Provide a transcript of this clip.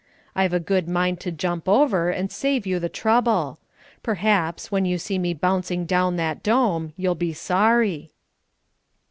I've a good mind to jump over, and save you the trouble. Perhaps, when you see me bouncing down that dome, you'll be sorry!"